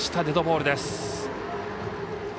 デッドボールです。